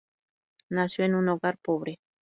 Nació en un hogar pobre.